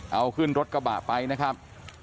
เอาขึ้นรถกระบะไปนะครับ